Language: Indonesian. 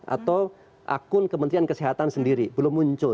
atau akun kementerian kesehatan sendiri belum muncul